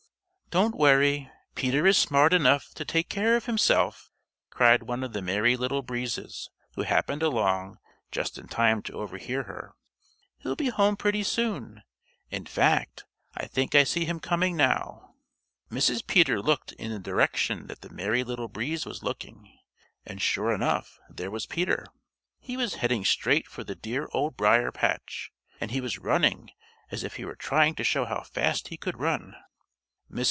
"Don't worry. Peter is smart enough to take care of himself," cried one of the Merry Little Breezes, who happened along just in time to overhear her. "He'll be home pretty soon. In fact, I think I see him coming now." Mrs. Peter looked in the direction that the Merry Little Breeze was looking, and sure enough there was Peter. He was heading straight for the dear Old Briar patch, and he was running as if he were trying to show how fast he could run. Mrs.